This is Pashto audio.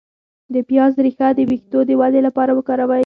د پیاز ریښه د ویښتو د ودې لپاره وکاروئ